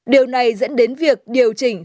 điều này dẫn đến việc điều chỉnh